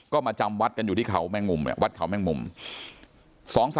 คือท่านเจ้าวาดวัดบอกว่าที่วัดแห่งเนี้ยครับท่านผู้ชมครับ